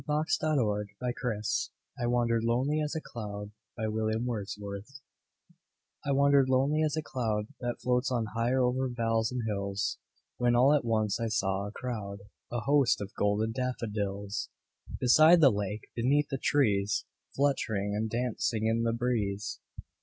William Wordsworth I Wandered Lonely As a Cloud I WANDERED lonely as a cloud That floats on high o'er vales and hills, When all at once I saw a crowd, A host, of golden daffodils; Beside the lake, beneath the trees, Fluttering and dancing in the breeze.